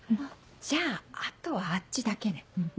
じゃああとはあっちだけね。